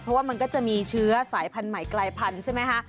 เพราะว่ามันก็จะมีเชื้อสายพันธุ์ใหม่กลายพันธุ์ใช่ไหมคะ